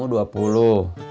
jadi total jendra lima puluh